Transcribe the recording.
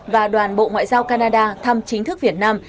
và đoàn bộ ngoại giao canada thăm chính thức việt nam